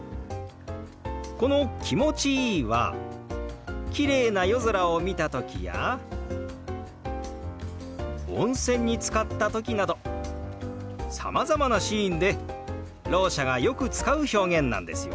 この「気持ちいい」はきれいな夜空を見た時や温泉につかった時などさまざまなシーンでろう者がよく使う表現なんですよ。